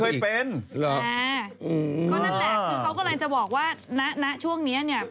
ก็นั่นแหละคือเขากำลังจะบอกว่าณช่วงนี้เนี่ย